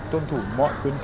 tuân thủ mọi khuyến khích